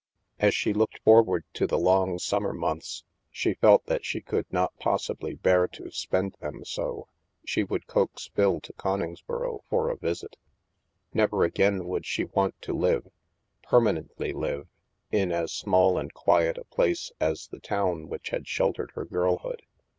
As she looked forward to the long summer months, she felt that she could not possibly bear to spend them so. She would coax Phil to Conings boro for a visit. Never again would she want to live, permanently live, in as small and quiet a place as the town which had sheltered her girlhood.